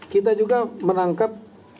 kita juga menangkap